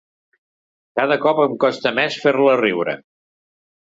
Cada cop em costa més fer-la riure.